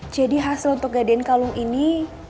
jadi hasil untuk gadein kalung ini